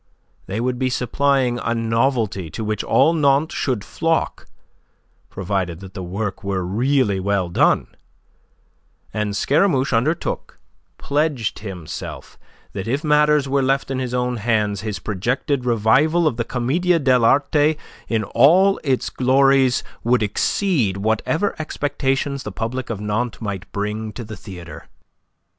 They would be supplying a novelty to which all Nantes should flock provided that the work were really well done, and Scaramouche undertook pledged himself that if matters were left in his own hands, his projected revival of the Commedia dell' Arte in all its glories would exceed whatever expectations the public of Nantes might bring to the theatre.